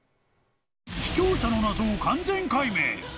視聴者の謎を完全解明。